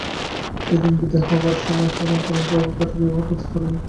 সেই দিন বিদায় হইবার সময় হারান পরেশবাবুর কাছে বিবাহের প্রস্তাব পাড়িলেন।